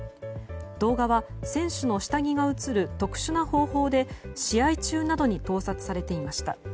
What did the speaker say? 動画は選手の下着が映る特殊な方法で試合中などに盗撮されていました。